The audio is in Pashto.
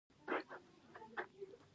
او دغه ډول نېزې به د غزني په شلګر کې جوړېدې.